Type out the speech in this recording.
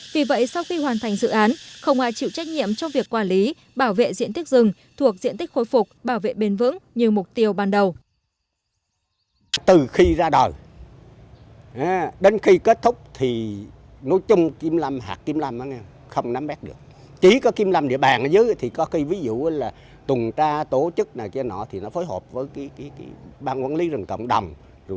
vì vậy sau khi hoàn thành dự án không ai chịu trách nhiệm cho việc quản lý bảo vệ diện tích rừng thuộc diện tích khôi phục bảo vệ bền vững như mục tiêu ban đầu